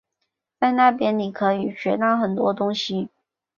在那边你可以学很多东西